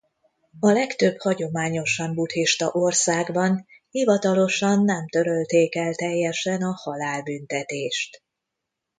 A legtöbb hagyományosan buddhista országban hivatalosan nem törölték el teljesen a halálbüntetést.